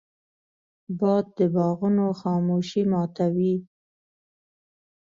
باد د باغونو خاموشي ماتوي